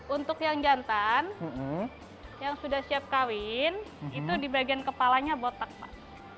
untuk yang jantan yang sudah siap kawin itu di bagian kepalanya botak pak